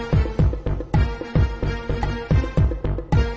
ไม่มีน้ำมันมันจะมาอยู่ไหน